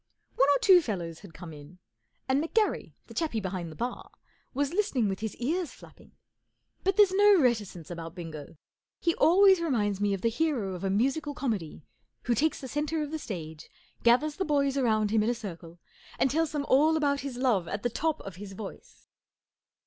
One or two fellows had come in, and McGarry, the chappie behind the bar, was listening with his ears flapping. But there's no reticence about Bingo. He always reminds me of the hero of a musical comedy who takes the centre of the stage, gathers the boys round him in a circle, and tells them all about his love at the top of his voice.